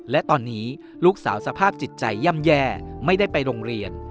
และตอนนี้ลูกสาวสภาพจิตใจย่ำแย่ไม่ได้ไปโรงเรียน